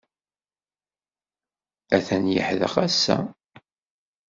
Atan yeḥdeq ass-a.